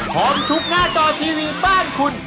ของทุกหน้าจอทีวีบ้านคุณ